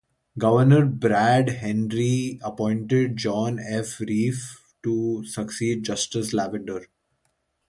Governor Brad Henry appointed John F. Reif to succeed Justice Lavender.